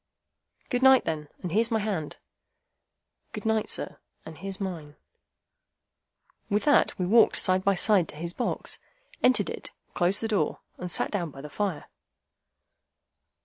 "Good night, then, and here's my hand." "Good night, sir, and here's mine." With that we walked side by side to his box, entered it, closed the door, and sat down by the fire.